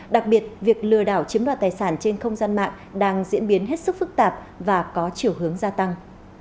đặc biệt việc lừa đảo chiếm đoạt tài sản trên không gian mạng đang diễn biến hết sức phức tạp và có chiều hướng gia tăng